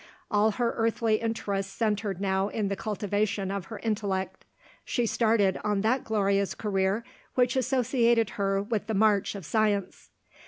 All her earthly interests centred now in the cultivation of her intellect. She started on that glorious career, which associated her with the march of science.